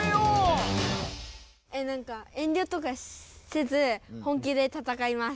えなんかえんりょとかせず本気で戦います。